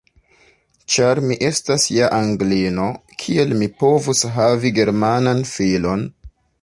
Ĉar mi estas ja Anglino, kiel mi povus havi Germanan filon?